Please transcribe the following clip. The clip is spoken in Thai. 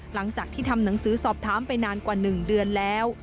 หลังจากที่ทำหนังสือสอบถามไปนานกว่า๑เดือนแล้ว